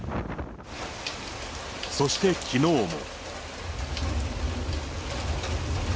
そしてきのうも。